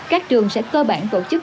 các trường sẽ cơ bản tổ chức